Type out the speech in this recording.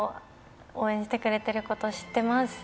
応援してくれてること知ってます。